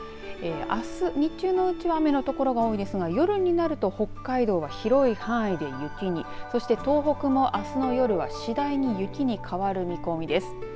あす日中のうちは雨の所が多いですが夜になると北海道は広い範囲で雪にそして東北もあすの夜は次第に雪に変わる見込みです。